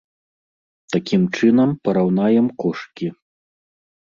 Такім чынам, параўнаем кошыкі.